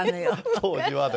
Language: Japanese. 当時は。